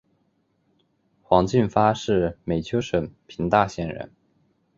黄晋发是美湫省平大县人。